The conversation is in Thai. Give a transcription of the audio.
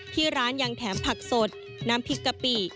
ที่ร้านยังแถมผักสดน้ำพริกกะปิ